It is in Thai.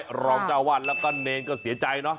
รองเจ้าวาดแล้วก็เนรก็เสียใจเนอะ